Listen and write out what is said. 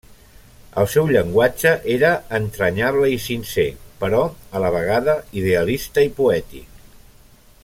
El seu llenguatge era entranyable i sincer però a la vegada idealista i poètic.